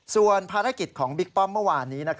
ส่วนภารกิจของบิ๊กป้อมเมื่อวานนี้